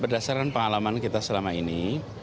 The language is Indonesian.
berdasarkan pengalaman kita selama ini